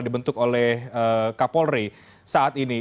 dibentuk oleh kapolri saat ini